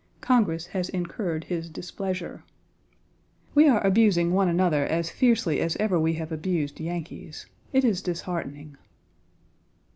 Congress has incurred his displeasure. We are abusing one another as fiercely as ever we have abased Yankees. It is disheartening.